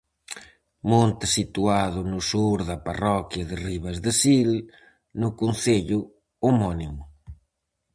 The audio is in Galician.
Monte situado no sur da parroquia de Ribas de Sil, no concello homónimo.